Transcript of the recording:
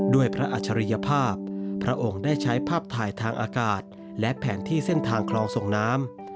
ด้วยพระอัจฉริยภาพพระองค์ได้ใช้ภาพถ่ายทางอากาศและแผนที่เส้นทางคลองส่งน้ำ